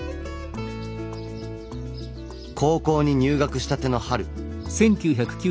高校に入学したての春。